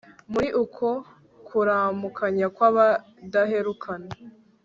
muri uko kuramukanya kw'abadaherukana